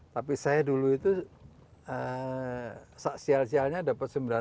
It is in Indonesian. tapi saya dulu itu sial sialnya dapat sembilan puluh